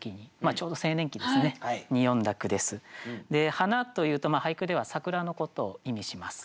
「花」というと俳句では桜のことを意味します。